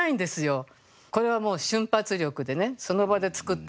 これはもう瞬発力でねその場で作った句で。